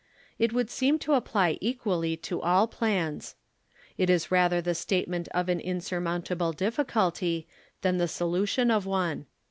It would seem to apply equally to all plans. It is rather the state ment of an insurmountable difficulty, than the solution of one.